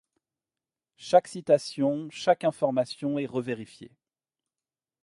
Chaque citation, chaque information est revérifiée.